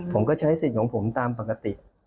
ผมก็ใช้สิทธิ์ของผมตามปกติ